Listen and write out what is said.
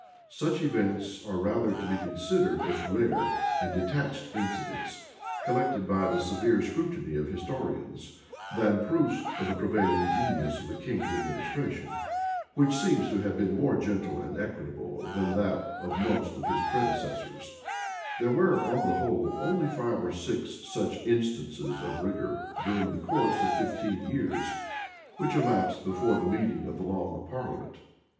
[*] Such events are rather to be considered as rare and detached incidents, collected by the severe scrutiny of historians, than as proofs of the prevailing genius of the king's administration which seems to have been more gentle and equitable than, that of most of his predecessors: there were, on the whole, only five or six such instances of rigor during the course of fifteen years, which elapsed before the meeting of the long parliament.